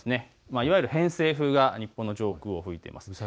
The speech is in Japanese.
いわゆる偏西風が日本の上空を吹いています。